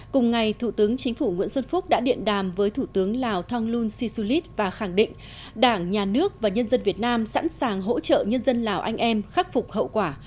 cùng ngày thủ tướng chính phủ nguyễn xuân phúc đã điện đàm với thủ tướng lào thonglun sisulit và khẳng định đảng nhà nước và nhân dân việt nam sẵn sàng hỗ trợ nhân dân lào anh em khắc phục hậu quả